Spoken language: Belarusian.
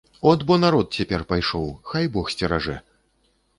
От бо народ цяпер пайшоў, хай бог сцеражэ!